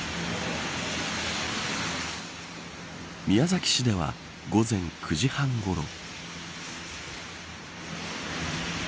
宮崎市では午前９時半ごろ。